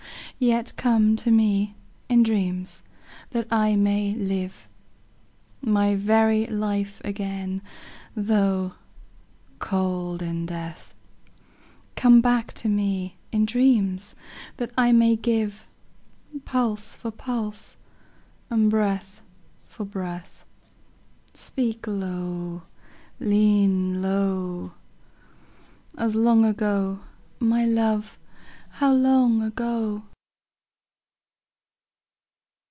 Yet come to me in dreams, that I may live My very life again though cold in death: Come back to me in dreams, that I may give Pulse for pulse, breath for breath: Speak low, lean low, As long ago, my love, how long ago!